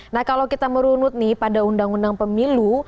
nah kalau kita merunut nih pada undang undang pemilu